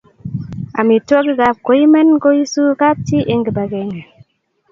Amitwogikap koimen koisu kapchi eng kipakenge